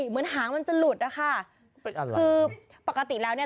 เพตรผู้ตัวยัย